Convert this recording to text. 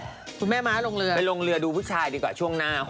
ลงเรือลงเรือไปลงเรือดูผู้ชายดีกว่าช่วงหน้า